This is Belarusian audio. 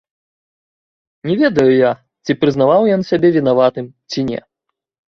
Не ведаю я, ці прызнаваў ён сябе вінаватым ці не.